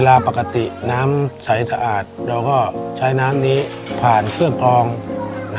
ในแคมเปญพิเศษเกมต่อชีวิตโรงเรียนของหนู